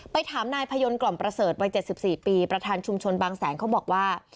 ถามนายพยนต์กล่อมประเสริฐวัย๗๔ปีประธานชุมชนบางแสนเขาบอกว่า